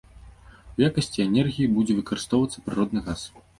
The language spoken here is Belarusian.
У якасці энергіі будзе выкарыстоўвацца прыродны газ.